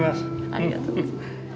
ありがとうございます。